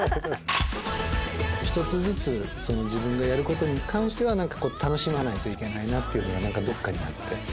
ひとつずつ自分がやることに関しては何かこう楽しまないといけないなっていうのが何かどっかにあって。